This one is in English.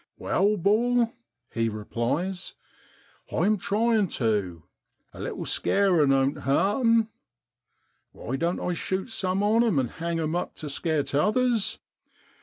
4 Wai, 'bor,' he replies, 'I'm tryin' tu; a little scarin' oan't hart 'em! Why doan't I shute some on 'em, and hang 'em up to scare t'others